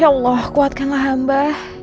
ya allah kuatkanlah hamba